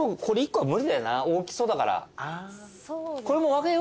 大きそうだから。